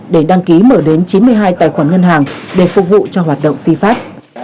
để đăng ký mở đến chín mươi hai tài khoản ngân hàng để phục vụ cho hoạt động phi pháp